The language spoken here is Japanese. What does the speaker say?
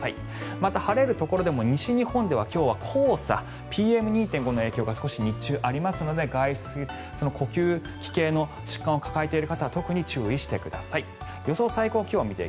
また、晴れるところでも西日本では今日は黄砂ＰＭ２．５の影響が少し日中ありますので呼吸器系の疾患を抱えている方は特に注意してください。